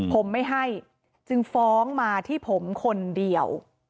ผมไม่ให้จึงฟ้องมาที่ผมคนเดียว